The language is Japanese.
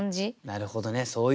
なるほどねそういうふうに。